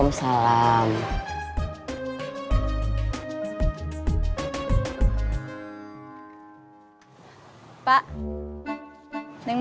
masih sudah pulang